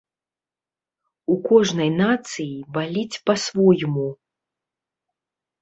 У кожнай нацыі баліць па-свойму.